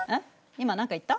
今何か言った？